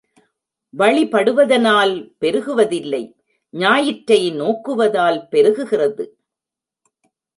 வழிபடுவதனால் பெருகுவதில்லை ஞாயிற்றை நோக்குவதால் பெருகுகிறது.